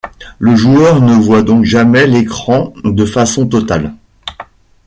Le joueur ne voit donc jamais l'écran de façon totale.